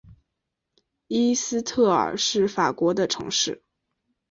伊斯特尔是法国的城市。